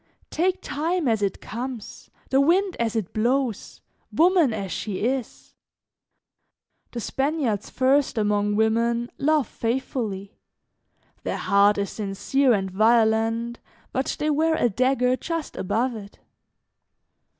"Take time as it comes, the wind as it blows, woman as she is. The Spaniards first, among women, love faithfully; their heart is sincere and violent, but they wear a dagger just above it.